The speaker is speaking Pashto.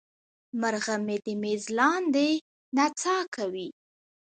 مرغه مې د میز لاندې نڅا کوي.